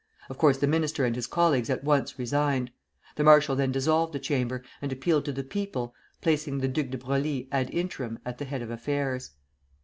Of course the minister and his colleagues at once resigned. The marshal then dissolved the Chamber, and appealed to the people, placing the Duc de Broglie ad interim at the head of affairs.